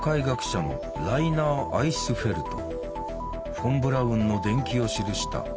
フォン・ブラウンの伝記を記した。